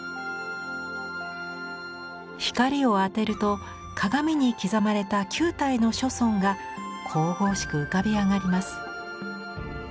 光を当てると鏡に刻まれた９体の諸尊が神々しく浮かび上がります。